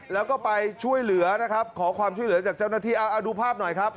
แล้วก็ไปช่วยเหลือนะครับขอความช่วยเหลือจากเจ้าหน้าที่เอาดูภาพหน่อยครับ